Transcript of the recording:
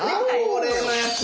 恒例のやつ！